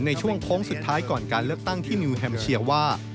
ในช่วงโค้งสุดท้ายก่อนการเลือกตั้งที่นิวแฮมเชียร์ว่า